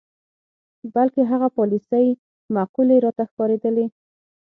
بلکې هغه پالیسۍ معقولې راته ښکارېدلې.